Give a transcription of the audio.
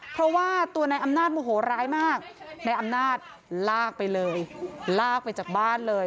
เพราะว่าตัวนายอำนาจโมโหร้ายมากในอำนาจลากไปเลยลากไปจากบ้านเลย